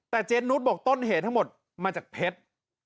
แต่เจนุสบอกต้นเหตุทั้งหมดมาจากเพชร